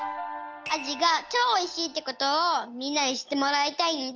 アジがチョおいしいってことをみんなにしってもらいたいんだ。